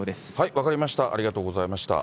分かりました、ありがとうございました。